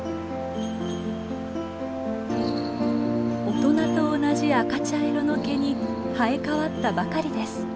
大人と同じ赤茶色の毛に生え替わったばかりです。